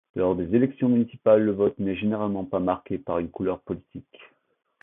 Lors des élections municipales, le vote n’est généralement pas marqué par une couleur politique.